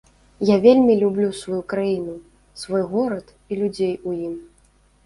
Я вельмі люблю сваю краіну, свой горад і людзей у ім.